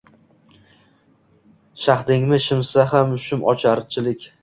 Shaxdingni shimsa ham shum ocharchilik –